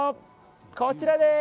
こちらです。